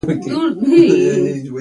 هر چاته خپل وطن کشمير دى.